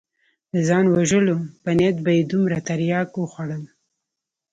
د ځان وژلو په نيت به يې دومره ترياک وخوړل.